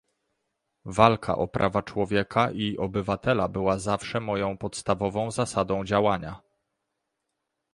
Walka o prawa człowieka i obywatela była zawsze moją podstawową zasadą działania